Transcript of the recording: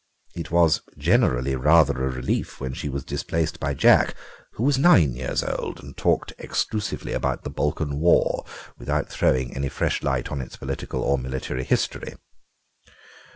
It was generally rather a relief when she was displaced by Jack, who was nine years old, and talked exclusively about the Balkan War without throwing any fresh light on its political or military history.